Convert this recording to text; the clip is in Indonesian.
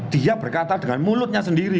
dia berkata dengan mulutnya sendiri